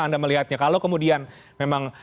anda melihatnya kalau kemudian memang